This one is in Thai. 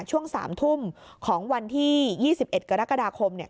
ช่วง๓ทุ่มของวันที่๒๑กรกฎาคม